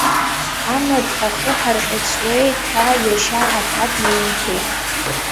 Амаҭ ахы ҳарҟьыцуеит ҳәа иашьа аҭак наииҭеит.